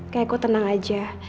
kak iko tenang aja